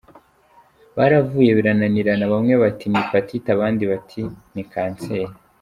Baravuye birananirana bamwe bati ni hepatite abandi bati ni cancer.